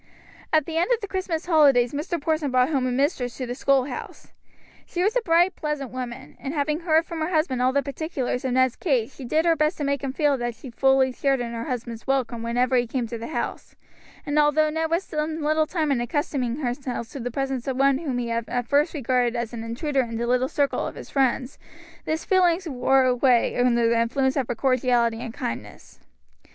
At the end of the Christmas holidays Mr. Porson brought home a mistress to the schoolhouse. She was a bright, pleasant woman, and having heard from her husband all the particulars of Ned's case she did her best to make him feel that she fully shared in her husband's welcome whenever he came to the house, and although Ned was some little time in accustoming himself to the presence of one whom he had at first regarded as an intruder in the little circle of his friends, this feeling wore away under the influence of her cordiality and kindness.